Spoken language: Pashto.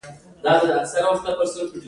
د دوی ترمنځ شدیده سیالي رامنځته کېږي